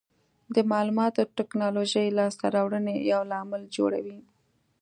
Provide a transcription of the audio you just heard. د معلوماتي ټکنالوژۍ لاسته راوړنې یو لامل جوړوي.